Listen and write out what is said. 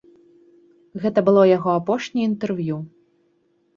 Гэта было яго апошняе інтэрв'ю.